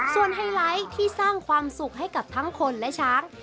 ส่วนไฮไลท์ที่สร้างความสุขให้กับทั้งคนและช้าง